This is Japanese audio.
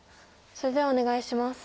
それではお願いします。